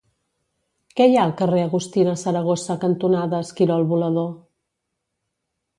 Què hi ha al carrer Agustina Saragossa cantonada Esquirol Volador?